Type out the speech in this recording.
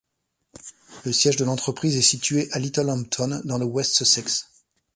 Le siège de l'entreprise est situé à Littlehampton, dans le West Sussex.